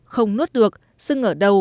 không nuốt được xương ở đầu